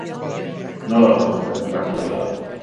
Nola sortu zen lankidetza?